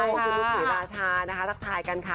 คุณนุ๊กผีราชานะคะทักทายกันค่ะ